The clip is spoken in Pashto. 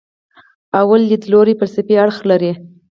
لومړی لیدلوری فلسفي اړخ لري.